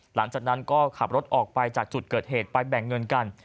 หลังจากนั้นก็ขับรถออกไปจากจุดเกิดเหตุไปแบ่งเงินกัน